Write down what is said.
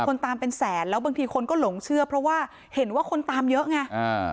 คนตามเป็นแสนแล้วบางทีคนก็หลงเชื่อเพราะว่าเห็นว่าคนตามเยอะไงอ่า